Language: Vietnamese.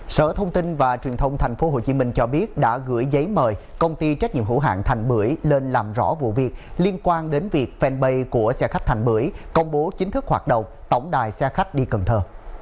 sở thông tin và truyền thông tp hcm cho biết đã gửi giấy mời công ty trách nhiệm hữu hạng thành bưởi lên làm rõ vụ việc liên quan đến việc fanpage của xe khách thành bưởi công bố chính thức hoạt động tổng đài xe khách đi cần thơ